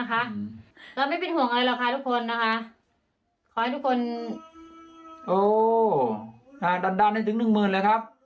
เราไม่เป็นห่วงอะไรหรอกค่ะทุกคนนะคะขอให้ทุกคนดันดันให้ถึงหนึ่งหมื่นเลยครับ